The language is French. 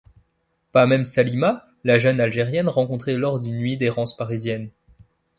Pas même Salima, la jeune Algérienne rencontrée lors d'une nuit d'errance parisienne.